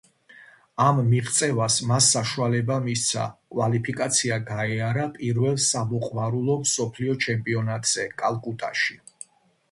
ამ მიღწევას მას საშუალება მისცა, კვალიფიკაცია გაეარა პირველ სამოყვარულო მსოფლიო ჩემპიონატზე კალკუტაში.